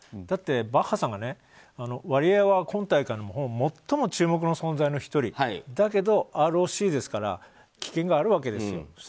だってバッハさんがワリエワは今大会の最も注目の存在の１人だけど、ＲＯＣですから危険があるわけです。